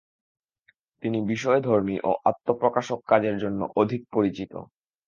তিনি বিষয়ধর্মী ও আত্ম-প্রকাশক কাজের জন্য অধিক পরিচিত।